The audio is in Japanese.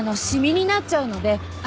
染みになっちゃうので。